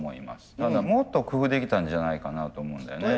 ただもっと工夫できたんじゃないかなと思うんだよね。